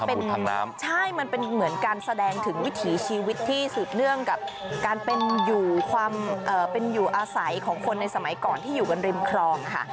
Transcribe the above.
เพราะว่ามันเป็นเหมือนการแสดงถึงวิถีชีวิตที่สูดเนื่องกับการเป็นอยู่อาศัยของคนในสมัยก่อนที่อยู่กันริมคลองค่ะ